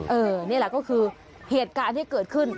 นี่แหละก็คือเหตุการณ์ที่เกิดขึ้น